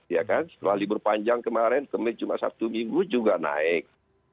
setelah libur panjang kemarin kemudian cuma satu minggu juga naik